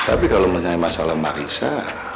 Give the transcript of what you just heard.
tapi kalau masalah marissa